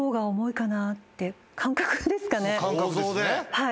はい。